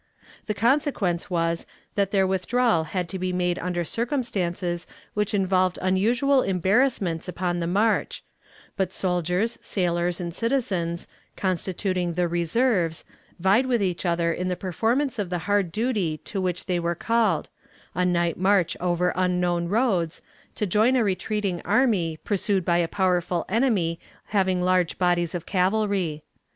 The consequence was, that their withdrawal had to be made under circumstances which involved unusual embarrassments upon the march; but soldiers, sailors, and citizens, constituting the "reserves," vied with each other in the performance of the hard duty to which they were called a night march over unknown roads, to join a retreating army, pursued by a powerful enemy having large bodies of cavalry.